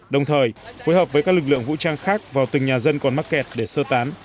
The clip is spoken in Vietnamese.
đồng thời phối hợp với các lực lượng vũ trang khác vào từng nhà dân còn mắc kẹt để sơ tán